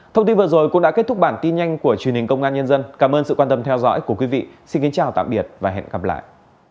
thông tin vừa rồi cũng đã kết thúc bản tin nhanh của truyền hình công an nhân dân cảm ơn sự quan tâm theo dõi của quý vị xin kính chào tạm biệt và hẹn gặp lại